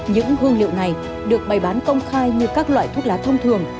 những hương liệu này được bày bán công khai như các loại thuốc lá thông thường